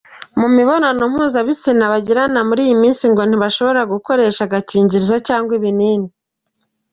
Mu mibonano mpuzabitsina bagirana muri iyi minsi ngo ntibashobora gukoresha agakingirizo cyangwa ibinini.